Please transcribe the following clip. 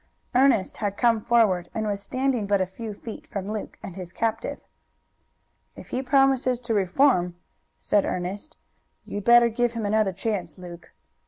Ernest had come forward, and was standing but a few feet from Luke and his captive. "If he promises to reform," said Ernest, "you'd better give him another chance, Luke."